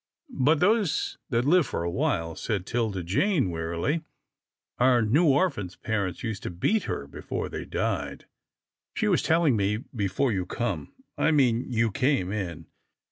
" But those that live for a while," said 'Tilda Jane, wearily —" Our new orphan's parents used to beat her before they died. She was telling me before you come — I mean, you came — in.